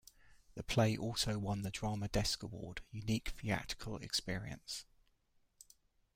The play also won the Drama Desk Award, Unique Theatrical Experience.